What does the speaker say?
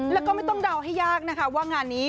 แล้วก็ไม่ต้องเดาให้ยากนะคะว่างานนี้